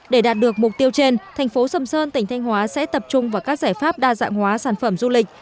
để đạt được mục tiêu trên thành phố sầm sơn tỉnh thanh hóa sẽ tập trung vào các giải pháp đa dạng hóa sản phẩm du lịch